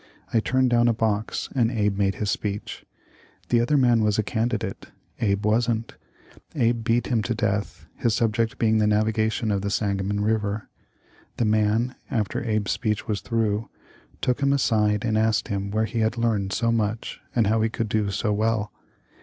I turned down a box and Abe made his speech. The other man was a candidate — Abe wasn't. Abe beat him to death, his subject being the navigation of the Sangamon river. The man, after Abe's speech was through, took him aside and asked him where he had learned so much and how he could do so well.